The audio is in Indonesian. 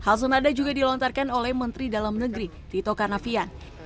hal senada juga dilontarkan oleh menteri dalam negeri tito karnavian